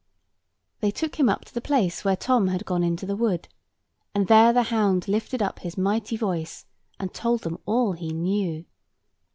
They took him up to the place where Tom had gone into the wood; and there the hound lifted up his mighty voice, and told them all he knew.